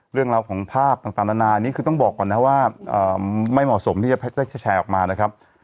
เรื่องราวของภาพต่างนานานี่คือต้องบอกก่อนนะว่าไม่เหมาะสมที่จะได้แชร์ออกมานะครับ